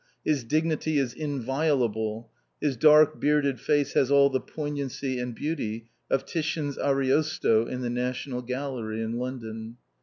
His dignity is inviolable. His dark bearded face has all the poignancy and beauty of Titian's "Ariosto" in the National Gallery in London.